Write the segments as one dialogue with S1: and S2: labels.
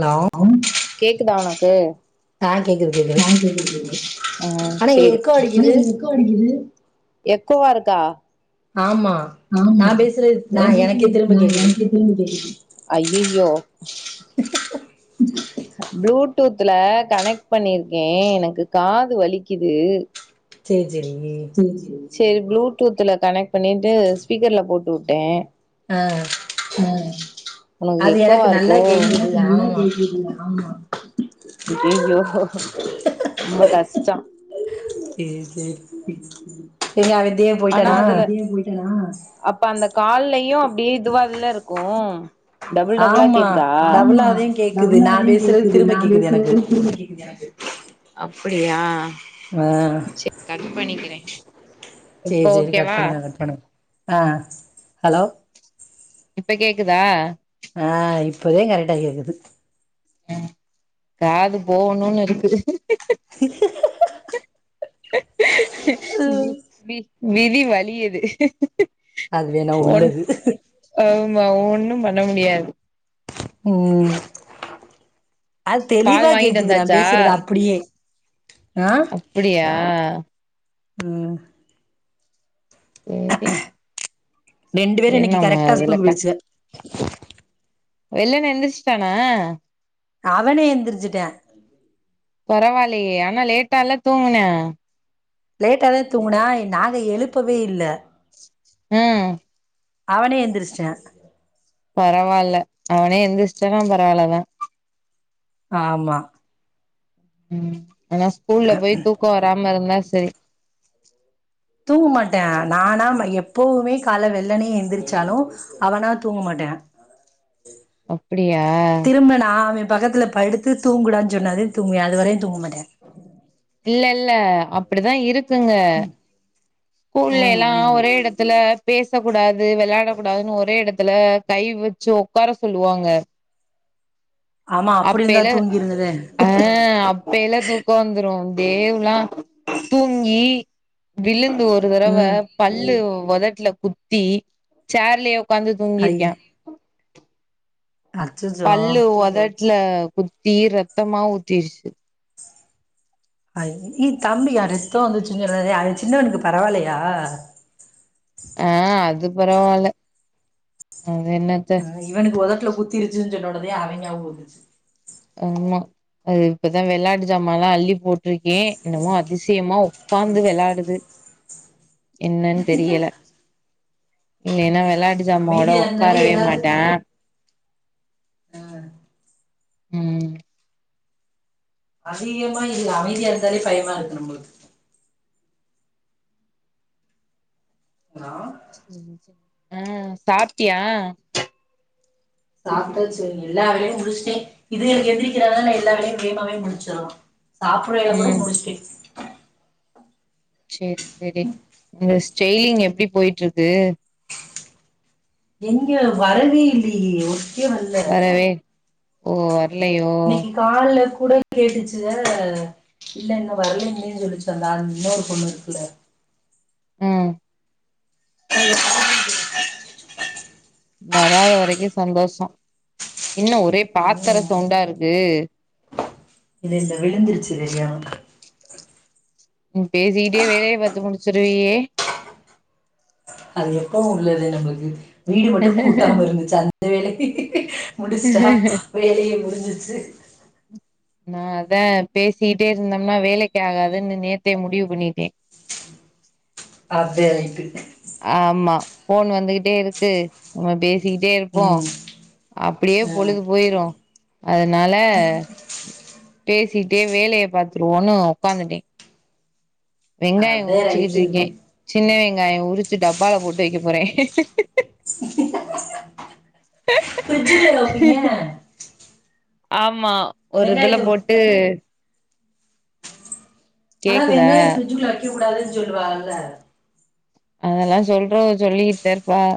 S1: low
S2: கேக்குதா ஒனக்கு
S1: ஆ கேக்குது கேக்
S2: ஆ கேக்குது கேக்குது
S1: எக்கோ அடிக்குது
S2: இப்டி எக்குோவா இருக்கா
S1: ஆமா நா
S2: ஆமா
S1: பேசுறது நா எனக்கே
S2: தொலைந்த்ருத்து
S1: திரும்ப
S2: நா
S1: கேக்குது
S2: எனக்கே ஐயய்யோ ப்ளூடூத்ல கனக் பண்ணிர்க்கே எனக்கு காது வலிக்கிது
S1: ச்சே ச்செரி
S2: சேரி ப்ளூடூத்ல கனக் பண்ணிட்டு ஸ்பீக்கர்ல போட்டுட்டே
S1: ஆ
S2: ஆ ஒனக்கு
S1: அது
S2: எக்கோவா
S1: எனக்கு
S2: இருக்கோ
S1: நல்லா கேக்குது ஆமா
S2: அய்யய்யோ ரொம்ப கஷ்டொ
S1: சே ஜே
S2: ம்
S1: இயாவெத்தே
S2: ஆனா அதுல அப்ப அந்த கால்லயு அப்டியே இதுவால இருக்கு
S1: ஆமா டபுளா
S2: ஆமா
S1: அதையு
S2: டபுளாதா
S1: கேக்குது நா பேசுறது
S2: கேக்குது
S1: திரும்ப
S2: நா
S1: கேக்குது எனக்கு
S2: பேசுற்து திருப்பி கேக்குது எனக்கு அப்புடியா
S1: அ
S2: ச்சே கட் பண்ணிக்கிறே இப்ப
S1: சேர் சேரி கட்
S2: ஓகேவா
S1: பண்ணுங்க கட் பண்ணுங்க ஆ ஹலோ
S2: இப்ப கேக்குதா
S1: ஆ இப்பதெ கரெக்டா கேக்குது
S2: அ காது போகணுன் இருக்கு வி வி விதி வலியது
S1: அதுவேணா உள்ளது
S2: ஆமா ஒண்ணு பண்ண முடியாது
S1: ம் அத்
S2: பால்
S1: தெளிவா
S2: வாங்கிட்டு
S1: கேக்குது நா
S2: வந்தாச்சா
S1: பேசுற்து அப்புடியே ஆ
S2: அப்புடியா
S1: ம்
S2: ஏரி
S1: ரெண்டு வேரு இன்னக்கு கரக்ட்டா
S2: அதுல
S1: ஸ்கூலுக்
S2: க
S1: போய்டுச்சுக
S2: வெள்ளன எந்திர்ச்ட்டானா
S1: அவனே எந்தெரிச்சிட்டா
S2: பரவால்லயே ஆனா லேட்டால தூங்குனா
S1: லேட்டாதே தூங்குனா நாங்க எழுப்பவே இல்ல
S2: ம்
S1: அவனே எந்திரிச்ட்டா
S2: பரவால்ல அவ்னே எந்திர்ச்டானா பரவால்லதா
S1: ஆமா
S2: ம் ஆனா ஸ்கூல்ல போய் தூக்க வராம இருந்தா சரி
S1: தூங்க மாட்டே நானா ம எப்பவுமே கால வெள்ளனயே எந்திரிச்சாலூ அவனா தூங்க மாட்டா
S2: அப்பிடியா
S1: கும்ரனா நா அவ பக்கத்துல படுத்து தூங்குடான் சொன்னாதே தூங்குவா அது வரையு தூங்க மாட்டா
S2: இல்ல இல்ல அப்டிதா இருக்குங்க கூல்ல
S1: ம்
S2: எல்லா
S1: ம்
S2: ஒரே எடத்துல பேச கூடாது வெளையாட கூடாதுன்னு ஒரே எடத்துல கை வச்சு ஒக்கார சொல்லுவாங்க
S1: ஆமா அப்டி இருந்தா
S2: அப்பைலா
S1: தூங்கிருங்களே
S2: ஆஹ் அப் பையெலா தூக்கோ வந்துரூ கேம்லா தூங்கீ விழுந்து வர் ஒரு தரவ
S1: ம்
S2: பல்லு ஒதட்ல குத்தி சேர்லயே ஒக்காந்து
S1: ஐய
S2: தூங்கிருக்கா
S1: அச்சச்சோ
S2: பல்லு ஒதட்ல குத்தி ரெத்தமா ஊத்திருச்சு
S1: ஐய் இ தம்பி அ ரத்த வந்துச்சினுங்குறது அது சின்னவனுக்கு பரவால்லையா
S2: ஆ அது பரவால்ல அது என்ன
S1: அ இவனுக்கு ஒதட்ல குத்திருச்சுன் சொன்னவொடன அவைங்க அவங்கள்க்கு
S2: ஆமா அது இப்பதா வெளையாட்டு ஜாமால்லா அள்ளி போட்டிருக்கே என்னமோ அதிசயமா உக்காந்து வெளாடுது என்னன் தெரியல இல்லைனா வெளயாட்டு ஜாமாவோட
S1: அமைதியா இருந்தாலே
S2: ஒக்காரவே
S1: ஏதாவது
S2: மாட்டா
S1: ஆ
S2: உம்
S1: அதிகமா இன்னைக்கி அமைதியா இருந்தாலே பயமா இருக்கு நம்மளுக்கு ஹலோ
S2: ஆ சாப்ட்டியா
S1: சாப்டாச்சு எல்லா வேலையு முடிச்ட்டே இதுங்கள்கு எந்திரிக்கிறனா நா எல்லா வேலையூ வேமாவே முடிச்சிரலா சாப்புட்ற வேல கூட
S2: ம்
S1: முடிச்ட்டே
S2: சேர் செரி இந்த ஸ்டைலிங் எப்டி போயிட்ருக்கூ
S1: எங்க வரவே இல்லயே ஒர்க்கே வரல
S2: வரவே ஓ வரலையோ
S1: இன்னைக்கு கால்ல கூட கேட்டுச்சு தான இல்ல இன்னு வரலைங்ளேனு சொல்லுச்சு அந்த ஆள் இன்னொரு பொண்ணு இருக்குல்ல
S2: உம்
S1: [inaudible]
S2: வராத வரைக்கு சந்தோஷோ என்ன ஒரே பாத்தர
S1: ம்
S2: சவுண்டா இருக்கூ
S1: இது இந்த விழுந்துருச்சி தெரியாம
S2: ம் பேசிகிட்டே வேலைய பாத்து முடிச்சிருவியே
S1: அது எப்பவு உள்ளது நம்ளுக்கு வீடு மட்டு கூட்டாம இருந்துச்சு அந்த வேலைய முடிச்ட்டா வேலையே முடிஞ்சிருச்சி
S2: நா அதா பேசிகிட்டே இருந்தம்னா வேலைக்கு ஆகாதுன்னு நேத்தே முடிவு பண்ணிட்டே
S1: அதே ரைட்டு
S2: ஆமா போன் வந்துகிட்டே இருக்கு நம்ம பேசிக்கிட்டே இருப்போ
S1: ம்
S2: அப்டியே
S1: ஆ,
S2: பொழுது பொயிரு அதுனால பேசிகிட்டே வேலைய பாத்துருவோனு உட்காந்துட்டே வெங்காயோ
S1: அதே ரைட்டு
S2: உரிச்சிகிட்ருக்கேன் சின்ன வெங்காயோ உரிச்சி டப்பால போட்டு வைக்க போறே
S1: ஃபிரிட்ஜுக்குள்ளயா வைப்பிங்க
S2: ஆமா ஒரு இதுல
S1: வெங்காயத்தை
S2: போட்டு
S1: ஆனா
S2: கேக்குதா
S1: வெங்காயோ ஃப்ரிட்ஜுக்குள்ள வைக்க கூடாதுன் சொல்லுவாகல்ல
S2: அதெல்லா சொல்றவக சொல்லிகிட் தா இருப்பாக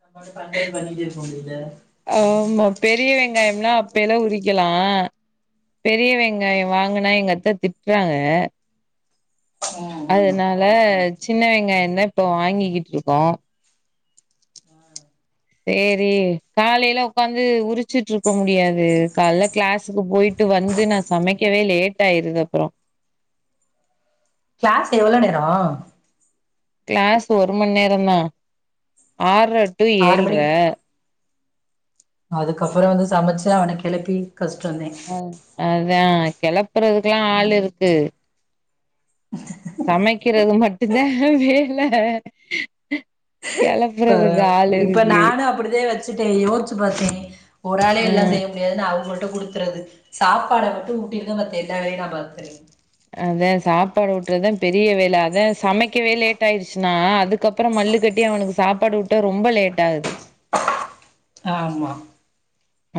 S1: [inaudible]
S2: ஆம்மா பெரிய வெங்காயம்லா அப்பேல்லே உரிக்கலா பெரிய வெங்காய வாங்கனா எங்கத்த திட்றாங்க
S1: ம் ம்
S2: அதனால சின்ன வெங்காயந்தா இப்போ வாங்கிக்கிட்ருக்கோ சேரி காலேல உக்காந்து உரிச்சுட்டிருக்க முடியாது காலேல கிளாஸுக்கு போயிட் ட்டு வந்து நா சமைக்கவே லேட் ஆயிருது அப்பறோ
S1: கிளாஸ் எவ்ளோ நேரோ
S2: கிளாஸ் ஒரு மண் நேரோந்தா ஆற்ர டூ
S1: ஆறு
S2: ஏழ்ர
S1: அதுக்கப்பறோ வந்து சமச்சு அவன கெளப்பி கஷ்டோந்தே
S2: ம் அதா கெளப்புறதுக்கெல்லா ஆள் இருக்கு சமைக்கிறது மட்டுந்தா வேல்ல
S1: ப இப்ப நானு அப்டிதே வச்சுட்டே யோச்சு பாத்தே ஒரு ஆளே எல்லா செய்ய முடியாதுனு அவுங்குள்ட குடுத்துறது சாப்பாட மட்டு ஊட்டிருங்க மத்த எல்லா வேலையு நா பாத்துகறே
S2: அதே சாப்பாடு ஊட்றதுதா பெரிய வேல அதே சமைக்கவே லேட் ஆயிடுச்னா அதுக் கப்பறோ மல்லு கட்டி அவனுக்கு சாப்பாடு ஊட்ட ரொம்ப லேட் ஆகுது
S1: ஆம்மா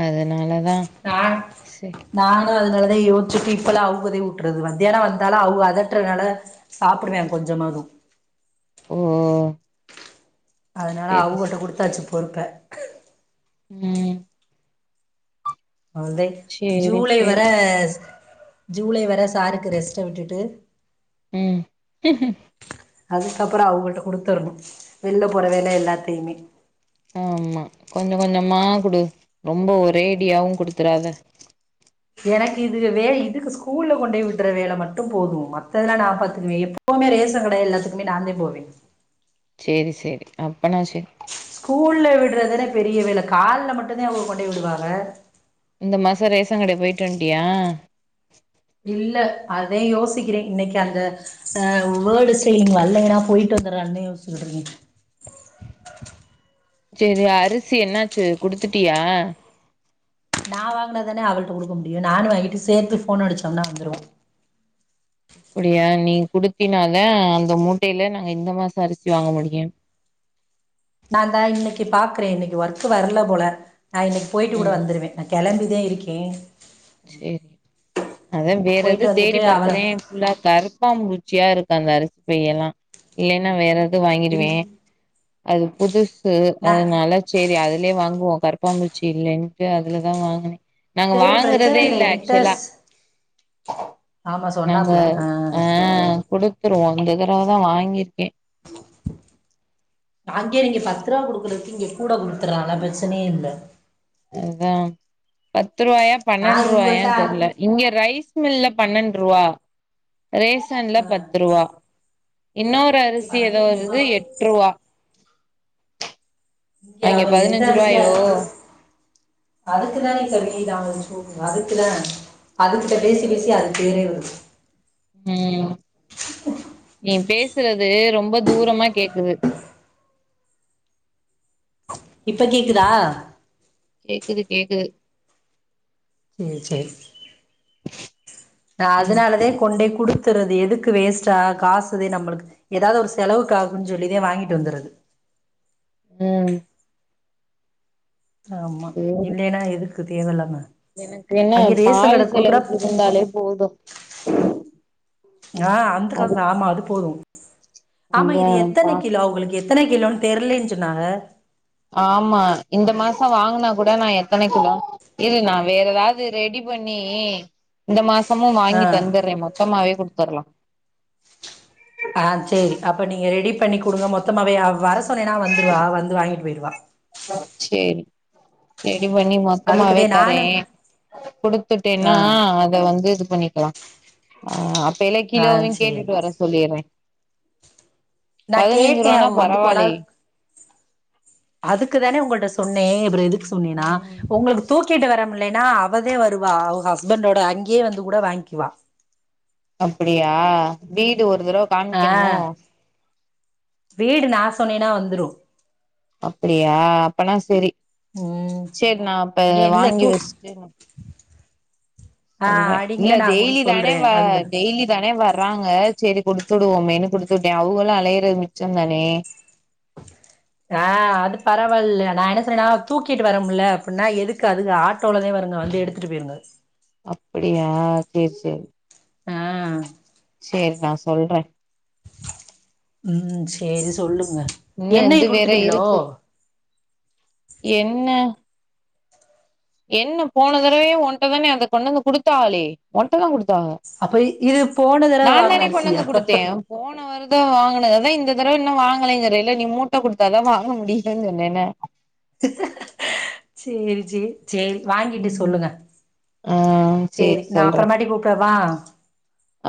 S2: அதனால தா
S1: [unintelligible] நானு அதனாலதா யோச்சிட்டு இப்பெல்லா அவுகதே ஊட்றது மத்யான வந்தாலு அவுக அதட்றதுனால சாப்புடுவே கொஞ்சமாது
S2: ஓ
S1: அதனால
S2: சேரி
S1: அவுங்குள்ட
S2: சேரி
S1: குடுத்தாச்சு பொறுப்ப
S2: உம்
S1: அவுல்தே
S2: சேரி
S1: ஜூலை வர
S2: சேரி
S1: ஜூலை வர சாருக்கு ரெஸ்ட்ட விட்டுட்டு
S2: உம்
S1: அதுக்கப்பறோ அவுங்குள்ட குடுத்துரணு வெளில போற வேல எல்லாத்தையுமே
S2: ஆம்மா கொஞ்ச கொஞ்சமா குடு ரொம்ப ஒரேடியாவு குடுத்துறாத
S1: எனக்கு இது வேல இதுக்கு ஸ்கூல்ல கொண்டேய் விட்ற வேல மட்டு போதும் மத்ததெல்லா நா பாத்துக்குவே எப்ப எப்பவுமே ரேஷன் கட எல்லாத்துக்குமே நா தே போவே
S2: சேரி சேரி அப்பனா சேரி
S1: ஸ்கூல்ல விட்றதென பெரிய வேல கால்ல மட்டுந்தே அவுக கொண்டோய் விடுவாக
S2: இந்த மாச ரேசன் கட போயிட்டு வந்ட்டியா
S1: இல்ல அதே யோசிக்கிறே இன்னைக்கு அந்த [unintelligible] வர்லேன்னா போயிட்டு வந்துறலான்னு யோசிச்சுக்டிரிக்கே
S2: சேரி அரிசி என்னாச்சு குடுத்திட்டியா
S1: நா வாங்னா தானே அவள்ட்ட குடுக்க முடியு நானு வாங்கிட்டு சேர்த்து ஃபோன் அடிச்சோம்னா வந்துருவா
S2: அப்பிடியா நீ குடுத்தின்னா தே அந்த மூட்டையில நாங்க இந்த மாசோ அரிசி வாங்க முடியு
S1: நா இந்தா இன்னைக்கு பாக்றே இன்னைக்கு ஒர்க்கு வரல போல நா இன்னைக் போயிட்டு கூட
S2: ம்
S1: வந்துருவே நா கெளம்பிதே இருக்கே
S2: சேரி அதே வேறெது
S1: போயிட்டு வந்துட்டு
S2: தேடி
S1: அவளை
S2: பாக்கறே ஃபுல்லா கருப்பாம் பூச்சியா இருக்கு அந்த அரிசி பை எல்லா இல்லேன்னா வேற து
S1: இல்
S2: வாங்கிடுவே அது புதுசு
S1: நான்
S2: அதுனால சேரி அதுலயே வாங்குவோ கருப்பாம்பூச்சி இல்லேன்ட்டு அதுல தா வாங்கினே நாங்க
S1: சேரி
S2: வாங்க
S1: பிரச்சன
S2: கறதே இல்ல ஆக்சுவலா
S1: என்டஸ் ஆமா
S2: நாங்க
S1: சொன்னாப்ல
S2: ஆ குடு த்துருவோ இந்த தரவ தா வாங்கீர்க்கே
S1: அங்கே நீங்க பத்துரூவா குடுக்குறக்கு இங்க கூட குடுத்துறான்ல பிரச்சனையே இல்ல
S2: அதா பத்து ருவாயா
S1: நா இவங்கள்ட்ட
S2: பன்னெண்ட்ருவாயான்னு தெர்ல இங்க ரைஸ் மில்ல பன்னெண்ட் ருவா ரேஷன்ல பத்து ருவா இன்னொரு
S1: இங்க
S2: அரிசி ஏதோ
S1: பதினஞ்சு ரூபா
S2: வருது எட்ருவா
S1: ஏ
S2: அங்க
S1: அவ எந்த
S2: பதினஞ்சு
S1: அரிசியா
S2: ரூவாயோ
S1: இருக்கு அதுக்கு தா நீ [unintelligible] அதுக்கு தா அதுகிட்ட பேசிப் பேசி அது பேரே வரு
S2: ம் நீ பேசுறது ரொம்ப தூரமா கேக்குது
S1: இப்ப கேக்குதா
S2: கேக்குது கேக்குது
S1: சேர் சேரி நா
S2: ம்
S1: அதுனால தே கொண்டே குடுத் த்துற்றது எதுக்கு வேஸ்ட்டா காசு தே நம்மளுக் ஏதாவது ஒரு செலவுக் ஆகுன் சொல்லிதே வாங்கிட்டு வந்துறது
S2: ம்
S1: ஆமா
S2: சேரி
S1: இல்லைன்னா எதுக்கு தேவல்லாம
S2: எனக்கு என்ன பால் செலவுக்கு இருந்தாலே போதூ
S1: ஆ அந்த காசு ஆமா அது போதூ ஆமா
S2: அதா
S1: இது
S2: பா
S1: எத்தன கிலோ அவுகுளுக்கு எத்தன கிலோன்னு தெர்லி ஞ்சொன்னாங்க
S2: ஆமா இந்த மாசொ வாங்குனா கூட நா எத்தன கிலோ இது நா வேற எதாவது ரெடி பண்ணி இந்த மாஸ் த்தமும்
S1: ஆ
S2: வாங்கி தந்துடுறே மொத்தமாவே குடுத்தர்லா
S1: ஆ சேரி அப்ப நீங்க ரெடி பண்ணி குடுங்க மொத்தமாவே அவ வர சொன்னேன்னா வந்துருவா வந்து வாங்கிட்டு பொய்ருவா
S2: சேரி ரெடி பண்ணி மொத்தமாவே
S1: அதுக்குதே
S2: தரே
S1: நானு ஆ
S2: குடுத்துட்டேன்னா அத வந்து இது பண்ணிக்கலா அ அப்பயில
S1: ஆ
S2: கிலோவியு
S1: சேரி
S2: கேட்டுட்டு வர சொல்லிறே
S1: நா
S2: பதினஞ்சு
S1: கேட்டே
S2: ருவான்னா
S1: அவ வந்து
S2: பரவாயில்லேய்
S1: கொண்டாந்து அதுக்கு தானே உங்கள்ட்ட சொன்னே அப்பற எதுக்கு சொன்னே நா
S2: ம்
S1: உங்களுக்கு தூக்கிட்டு வரமுல்லேன்னா அவதே வருவா அவுக ஹஸ்பண்டோட அங்கேயே வந்து கூட வாங்க்குவா
S2: அப்புடியா வீடு ஒரு தடவ
S1: ஆ
S2: காமிக்கணுமோ
S1: வீடு நா சொன்னேனா வந்துரு
S2: அப்பிடியா அப்பன்னா செரி
S1: ம்
S2: சேர் நா அப்ப
S1: ஏ இல்ல
S2: வாங்கி
S1: தூ
S2: வச்ட்டு
S1: ஆ
S2: சொல்றே
S1: அடிங்க
S2: இல்ல
S1: நா கூட
S2: டெய்லி தானே
S1: சொல்றே
S2: வ
S1: வந்து
S2: டெய்லி தானே வர்றாங்க சேரி குடுத்துடுவோமேன்னு குடுத்து வுட்டேன் அவுகளு அலையிறது மிச்சந்தானே
S1: அ அது பரவால்ல நா என்ன சொன்னேன்னா தூக்கிட்டு வர முல்ல அப்புன்னா எதுக்கு அதுக ஆட் ட்டோலதே வருங்க வந்து எடுத்துட்டு போயிருங்க
S2: அப்புடியா சேர் சேர்
S1: அ
S2: சேர் நா சொல்றே
S1: ம் சேரி சொல்லுங்க
S2: இன்னு
S1: எண்ணெய
S2: இது வேற
S1: குடுத்துட்டீகளோ
S2: இருக்கு என்ன என்னப் போன தடவே ஒன்ட்ட தானே அத கொண்ணந்து குடுத்தாளே ஒன்ட்ட தா குடுத்தாங்க
S1: அப்ப இது போன தடவ வாங்குன
S2: நாந்தானே கொண்ணந்து
S1: அரிசியா
S2: குடுத்தே போன வருத வாங்குனத தா இந்த தரவ ன்னு வாங்கலைங்கிற இல்ல நீ மூட்ட குடுத்தல்ல வாங்க முடியுதுன் சொன்னேன்ன
S1: சேரி சே சேரி வாங்கிட்டு
S2: ம்
S1: சொல்லுங்க
S2: ஆ
S1: சேரி நா அப்பறமாட்டி கூப்புட வா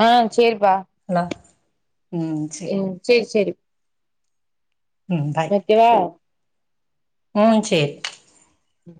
S2: ஆ சேரிப்பா
S1: ல ம் சேரி
S2: ம் சேரி சேரி
S1: ம் பாய்
S2: ஓகோ வா
S1: ம் சேரி
S2: ம்